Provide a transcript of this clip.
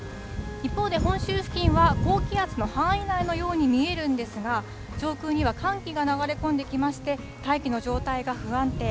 一方で本州付近は、高気圧の範囲内のように見えるんですが、上空には寒気が流れ込んできまして、大気の状態が不安定。